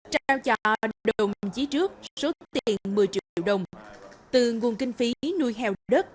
trao cho đồng chí trước số tiền một mươi triệu đồng từ nguồn kinh phí nuôi heo đất